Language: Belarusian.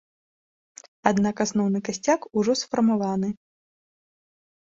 Аднак асноўны касцяк ужо сфармаваны.